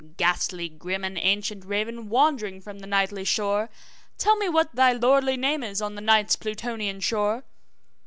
Ghastly grim and ancient raven wandering from the nightly shore Tell me what thy lordly name is on the Night's Plutonian shore!'